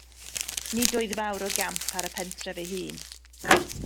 Nid oedd fawr o gamp ar y pentref ei hun.